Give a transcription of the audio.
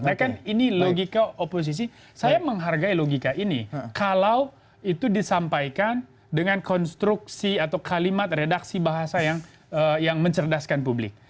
dan logika oposisi saya menghargai logika ini kalau itu disampaikan dengan konstruksi atau kalimat redaksi bahasa yang mencerdaskan publik